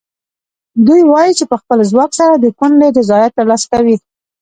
دوی وایي چې په خپل ځواک سره د کونډې رضایت ترلاسه کوي.